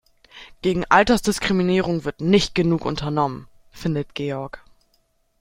Gegen Altersdiskriminierung wird nicht genug unternommen, findet Georg.